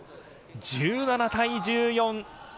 １７対１４。